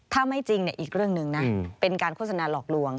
ถ้าไม่จริงอีกเรื่องหนึ่งนะเป็นการโฆษณาหลอกลวง